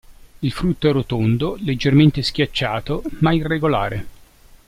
Il frutto è rotondo, leggermente schiacciato, ma irregolare.